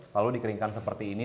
lalu dikeringkan seperti ini